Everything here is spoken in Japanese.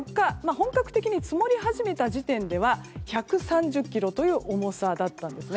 本格的に積もり始めた時点では１３０ｋｇという重さだったんですね。